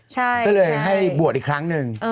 ก็เลยให้บวชอีกครั้งหนึ่ง